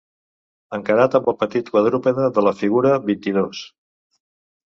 Encarat amb el petit quadrúpede de la figura vint-i-dos.